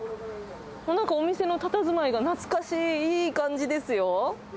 なんかお店のたたずまいが懐かしい、いい感じですよ。